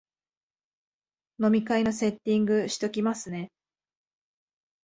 飲み会のセッティングしときますね